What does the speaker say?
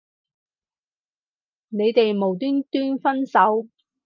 你哋無端端分手